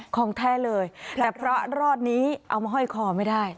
ของแท้เลยแต่พระรอดนี้เอามาห้อยคอไม่ได้